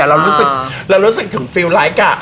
เรารู้สึกถึงปกป้ายกะ